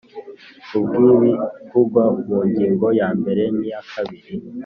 Ku bw ibivugwa mu ngingo ya mbere n iya kabiri